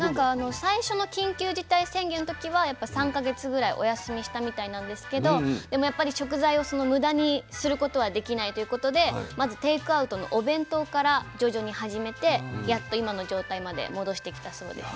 最初の緊急事態宣言の時は３か月ぐらいお休みしたみたいなんですけどでもやっぱり食材を無駄にすることはできないということでまずテイクアウトのお弁当から徐々に始めてやっと今の状態まで戻してきたそうです。